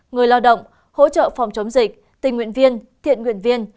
người lao động hỗ trợ phòng chống dịch tình nguyện viên thiện nguyện viên